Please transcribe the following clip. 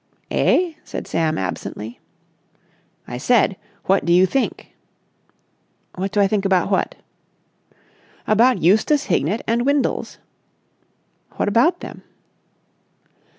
"Eh?" said Sam absently. "I said, what do you think?" "What do I think about what?" "About Eustace Hignett and Windles." "What about them?"